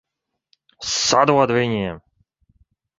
Sadod viņiem!